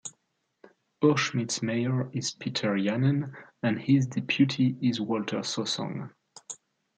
Urschmitt's mayor is Peter Jahnen, and his deputy is Walter Sossong.